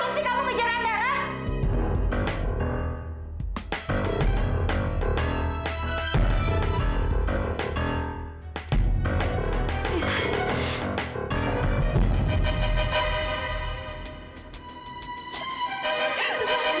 fadil kenapa masih kamu mengejar andara